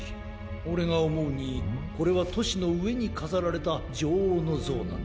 オレがおもうにこれはとしのうえにかざられたじょおうのぞうなんだ。